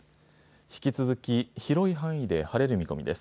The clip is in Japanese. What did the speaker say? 引き続き広い範囲で晴れる見込みです。